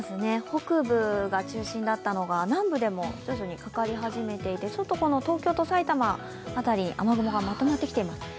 北部が中心だったのが南部でも徐々にかかり始めていて東京と埼玉辺りに雨雲がまとまってきています。